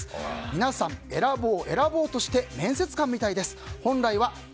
皆さん、選ぼう選ぼうとして面接官みたいです。